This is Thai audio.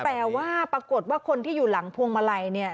แต่ว่าปรากฏว่าคนที่อยู่หลังพวงมาลัยเนี่ย